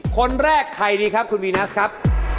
คนแรกใครดีครับคุณวีนัสครับ